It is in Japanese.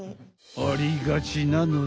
ありがちなのよ。